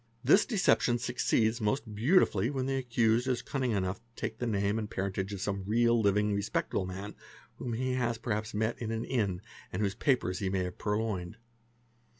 This decep tion succeeds most beautifully when the accused is cunning enough to ~ take the name and parentage of some real living respectable man whom he has perhaps met in an inn and whose papers he may have purloined.